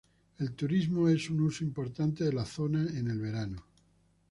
El turismo es un uso importante de la zona en el verano.